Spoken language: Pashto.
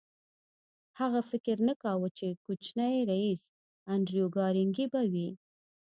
هغه فکر نه کاوه چې کوچنی ريیس انډریو کارنګي به وي